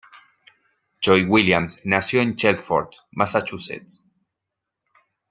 Joy Williams nació en Chelmsford, Massachusetts.